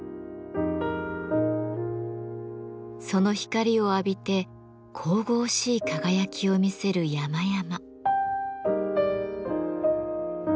その光を浴びて神々しい輝きを見せる山々。